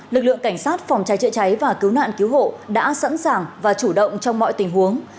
lực lượng cảnh sát phòng cháy chữa cháy và cứu nạn cứu hộ đã sẵn sàng và chủ động trong mọi tình huống